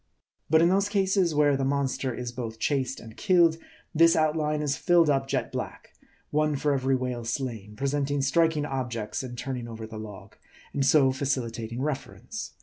But in those cases where the monster is both chased and killed, this outline is filled up jet black ; one for every whale slain ; presenting * striking objects in turning over the log ; and so facilitating reference.